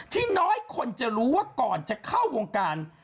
น้อยคนจะรู้ว่าก่อนจะเข้าวงการ